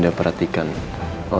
bapak itu bro